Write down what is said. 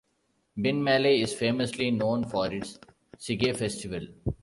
Binmaley, is famously known for its "Sigay Festival".